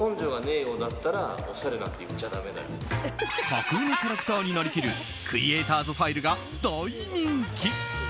架空のキャラクターになりきるクリエイターズ・ファイルが大人気。